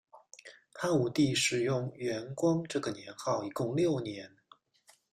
汉武帝使用元光这个年号一共六年。